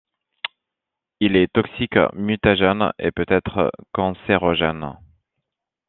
Il est toxique, mutagène et peut-être cancérogène.